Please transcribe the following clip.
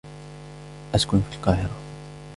أسكن في القاهرة.